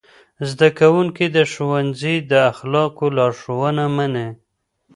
زدهکوونکي د ښوونځي د اخلاقو لارښوونه مني.